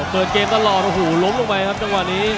เปิดเกมตลอดโอ้โหล้มลงไปครับจังหวะนี้